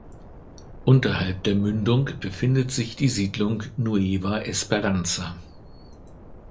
Unterhalb der Mündung befindet sich die Siedlung Nueva Esperanza.